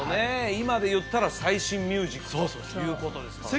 今でいったら最新ミュージックということですからね